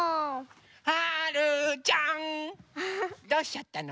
はるちゃんどうしちゃったの？